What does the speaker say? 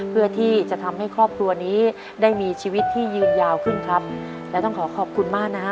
เพื่อที่จะทำให้ครอบครัวนี้ได้มีชีวิตที่ยืนยาวขึ้นครับและต้องขอขอบคุณมากนะฮะ